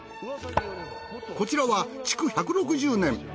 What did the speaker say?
こちらは築１６０年。